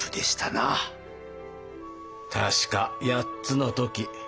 確か８つの時。